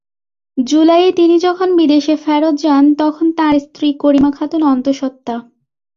জুলাইয়ে তিনি যখন বিদেশে ফেরত যান, তখন তাঁর স্ত্রী করিমা খাতুন অন্তঃসত্ত্বা।